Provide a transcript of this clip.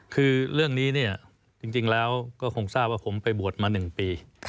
คือเรื่องนี้เนี่ยจริงแล้วก็คงทราบว่าผมไปบวชมา๑ปี